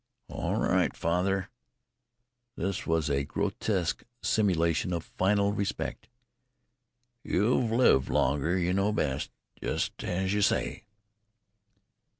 "All right, father" this with a grotesque simulation of filial respect "you've lived longer; you know best. Just as you say."